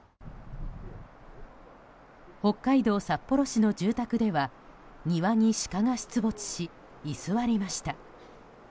北海道札幌市の住宅では庭にシカが出没し居座りました。